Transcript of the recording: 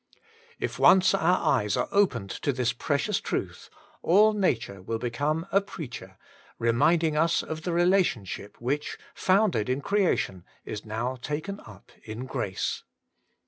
If once our eyes are opened to this precious truth, all Nature will become a preacher, re minding us of the relationship which, founded in creation, is now taken up in grace.